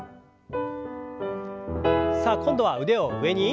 さあ今度は腕を上に。